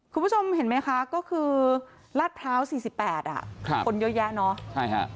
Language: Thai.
คุณผู้ชมเห็นไหมคะก็คือราดพร้าว๔๘คนเยอะแยะเนาะ